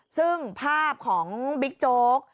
ซึ่งภาพของบิ๊กโจ๊ก